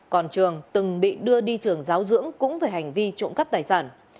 còn trường từng bị đưa đi trường giáo dưỡng cũng về hành vi trộm cắp tài sản